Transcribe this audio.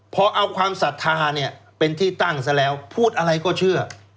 พอเอาความศรัทธาเนี่ยเป็นที่ตั้งซะแล้วพูดอะไรก็เชื่อ